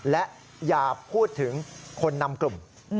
และอย่าพูดถึงคนนำกลุ่ม